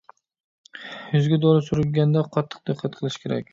يۈزگە دورا سۈركىگەندە قاتتىق دىققەت قىلىش كېرەك.